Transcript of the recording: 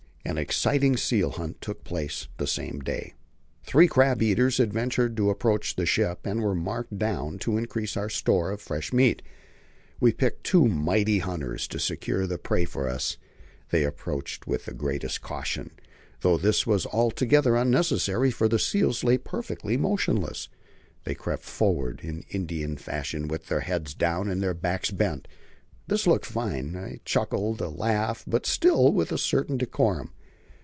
An exciting seal hunt took place the same day. Three crab eaters had ventured to approach the ship, and were marked down to increase our store of fresh meat. We picked two mighty hunters to secure the prey for us; they approached with the greatest caution, though this was altogether unnecessary, for the seals lay perfectly motionless. They crept forward in Indian fashion, with their heads down and their backs bent. This looks fine; I chuckle and laugh, but still with a certain decorum.